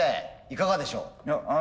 いかがでしょう？